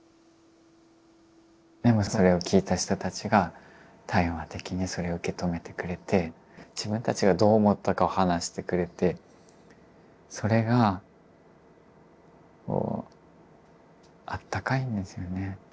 でもそれを聞いた人たちが対話的にそれを受け止めてくれて自分たちがどう思ったかを話してくれてそれがあったかいんですよね。